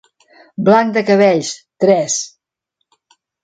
Blanc de cabells; tres.